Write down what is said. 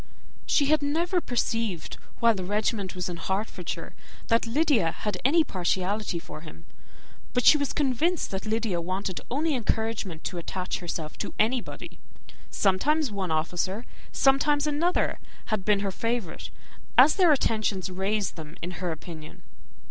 She had never perceived, while the regiment was in Hertfordshire, that Lydia had any partiality for him; but she was convinced that Lydia had wanted only encouragement to attach herself to anybody. Sometimes one officer, sometimes another, had been her favourite, as their attentions raised them in her opinion.